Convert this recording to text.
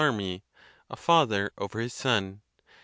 army, a father over his son.